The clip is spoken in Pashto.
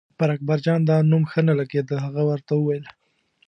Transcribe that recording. پر اکبرجان دا نوم ښه نه لګېده، هغه ورته وویل.